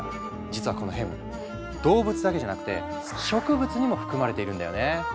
実はこのヘム動物だけじゃなくて植物にも含まれているんだよね。